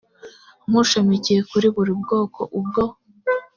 nk ushamikiye kuri buri bwoko ubwo